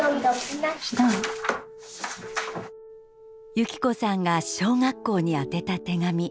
有希子さんが小学校に宛てた手紙。